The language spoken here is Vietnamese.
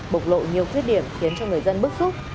bộc lộ nhiều khuyết điểm khiến cho người dân bức xúc